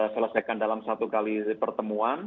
selesaikan dalam satu kali pertemuan